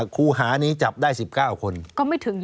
ครูหานี้จับได้๑๙คนก็ไม่ถึง